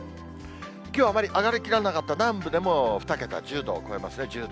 きょうはあまり上がりきらなかった南部でも、２桁、１０度を超えますね。